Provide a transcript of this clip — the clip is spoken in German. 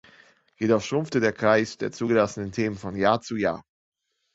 Jedoch schrumpfte der Kreis der zugelassenen Themen von Jahr zu Jahr.